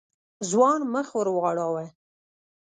ځوان مخ ور واړاوه.